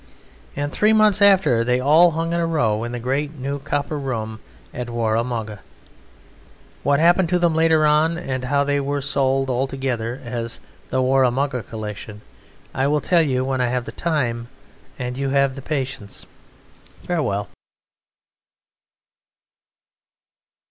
And three months after they all hung in a row in the great new copper room at Warra Mugga. What happened to them later on, and how they were all sold together as "the Warra Mugga Collection," I will tell you when I have the time and you the patience. Farewell.